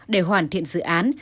để hoàn thiện dự án